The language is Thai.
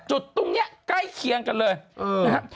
จุดตรงนี้ใกล้เคียงกันเลยนะครับ